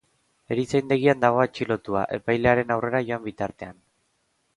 Erizaindegian dago atxilotua, epailearen aurrera joan bitartean.